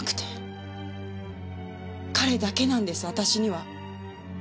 彼だけなんです私には。